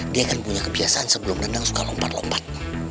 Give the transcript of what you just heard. dia kan punya kebiasaan sebelum nendang suka lompat lompat